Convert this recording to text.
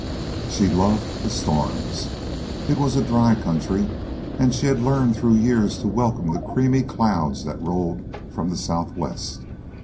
She loved the storms. It was a dry country and she had learned through years to welcome the creamy clouds that rolled from the southwest.